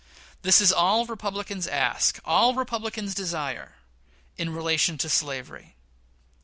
This is all Republicans ask all Republicans desire in relation to slavery.